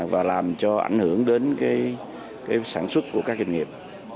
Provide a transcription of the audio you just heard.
và làm cho ảnh hưởng đến sản xuất của các doanh nghiệp